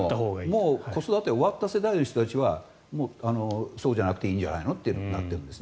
もう子育てが終わった世代はもう、そうじゃなくていいんじゃないのとなっているんです。